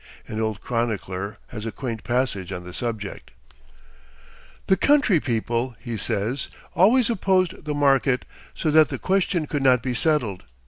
An old chronicler has a quaint passage on the subject. "The country people," he says, "always opposed the market, so that the question could not be settled.